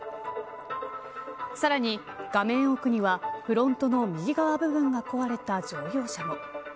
さらに、画面奥にはフロントの右側部分が壊れた乗用車も。